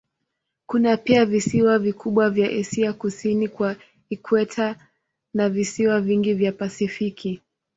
Kuna pia visiwa vikubwa vya Asia kusini kwa ikweta na visiwa vingi vya Pasifiki.